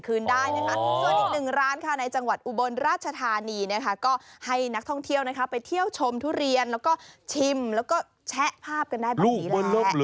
เอามาปลาคืนเลยโอ้เดี๋ยว